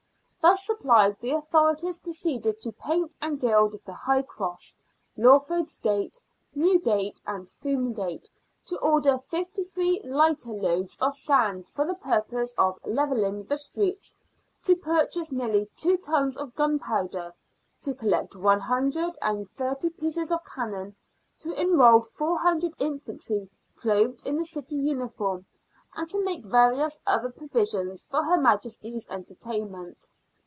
Thus supplied, the authorities proceeded to paint and gild the High Cross, Lawford's Gate, Newgate, and Froom Gate, to order fifty three lighter loads of sand for the purpose of levelling the streets, to purchase nearly two tons of gunpowder, to collect one hundred and thirty pieces of cannon, to enrol four hundred infantry clothed in the city uniform, and to make various other provisions for her Majesty's entertain ment.